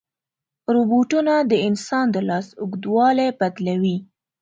روبوټونه د انسان د لاس اوږدوالی بدلوي.